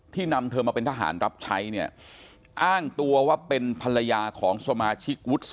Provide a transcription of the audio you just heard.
นำเธอมาเป็นทหารรับใช้เนี่ยอ้างตัวว่าเป็นภรรยาของสมาชิกวุฒิ